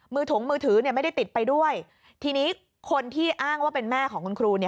ถงมือถือไม่ได้ติดไปด้วยทีนี้คนที่อ้างว่าเป็นแม่ของคุณครู